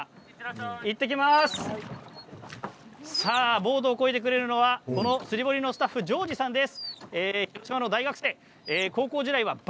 ボートをこいでくれるのはこの釣堀のスタッフじょうじさんです。